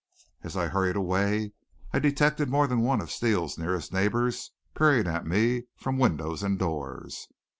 As I hurried away I detected more than one of Steele's nearest neighbors peering at me from windows and doors.